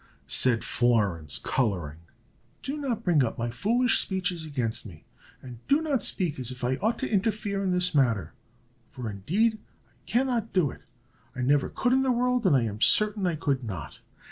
said Florence, coloring; "do not bring up my foolish speeches against me, and do not speak as if I ought to interfere in this matter, for indeed I cannot do it. I never could in the world, I am certain I could not."